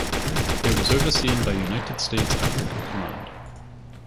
It was overseen by United States Africa Command.